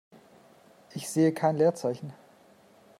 Ich sehe kein Leerzeichen.